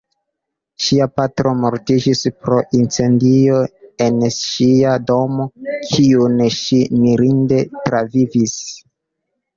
Ŝia patro mortiĝis pro incendio en ŝia domo, kiun ŝi mirinde travivis.